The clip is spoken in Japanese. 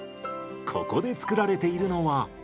ここで作られているのは。